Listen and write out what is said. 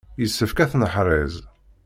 Yessefk ad t-neḥrez.